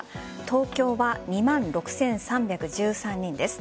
東京は２万６３１３人です。